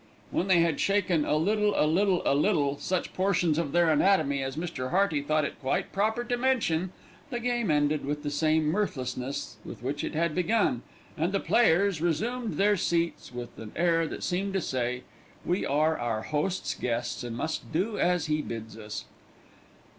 When they had shaken "a little, a little, a little" such portions of their anatomy as Mr. Hearty thought it quite proper to mention, the game ended with the same mirthlessness with which it had begun, and the players resumed their seats with an air that seemed to say, "We are our host's guests and must do as he bids us."